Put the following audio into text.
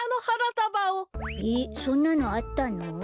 えっそんなのあったの？